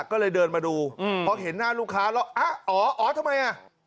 ก็เลยเดินมาดูเพราะเห็นหน้าลูกค้าแล้วอ๋อทำไม